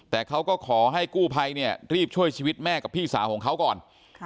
แต่เขาก็ขอให้กู้ภัยเนี่ยรีบช่วยชีวิตแม่กับพี่สาวของเขาก่อน